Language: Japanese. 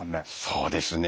そうですね。